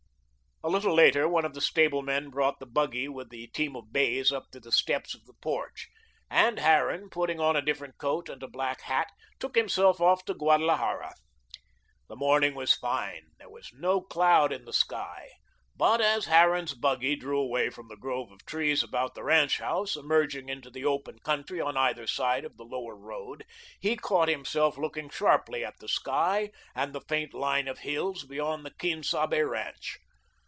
A little later, one of the stablemen brought the buggy with the team of bays up to the steps of the porch, and Harran, putting on a different coat and a black hat, took himself off to Guadalajara. The morning was fine; there was no cloud in the sky, but as Harran's buggy drew away from the grove of trees about the ranch house, emerging into the open country on either side of the Lower Road, he caught himself looking sharply at the sky and the faint line of hills beyond the Quien Sabe ranch.